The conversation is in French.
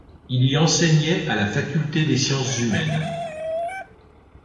Il y enseignait à la Faculté des sciences humaines.